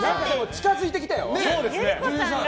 近づいてきたよ！